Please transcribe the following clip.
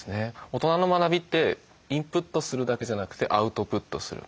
大人の学びってインプットするだけじゃなくてアウトプットする。